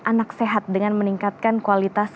anak sehat dengan meningkatkan kualitas